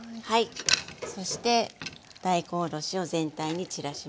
そして大根おろしを全体に散らします。